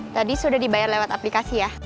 tadi sudah dibayar lewat aplikasi ya